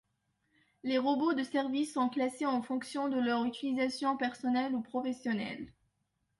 Les robots de service sont classés en fonction de leur utilisation personnelle ou professionnelle.